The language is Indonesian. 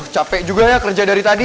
capek juga ya kerja dari tadi